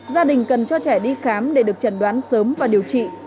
gia đình cần cho trẻ đi khám để được chẩn đoán sớm và điều trị